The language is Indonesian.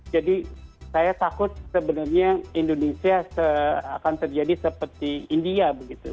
jadi saya takut sebenarnya indonesia akan terjadi seperti india